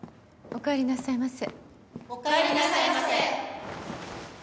おかえりなさいませ。